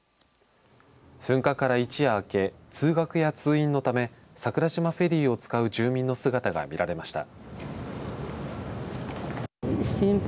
噴火から一夜明け通学や通院のため桜島フェリーを使う住民の姿が見られました。